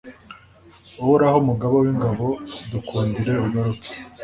Uhoraho Mugaba w’ingabo dukundire ugaruke